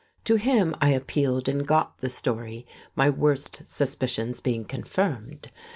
To him I appealed and got the story, my worst suspicions being confirmed.